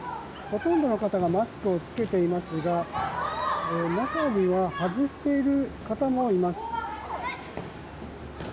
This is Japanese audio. ほとんどの方がマスクを着けていますが中には、外している方もいます。